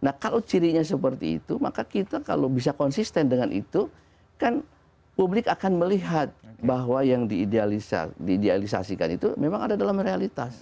nah kalau cirinya seperti itu maka kita kalau bisa konsisten dengan itu kan publik akan melihat bahwa yang direalisasikan itu memang ada dalam realitas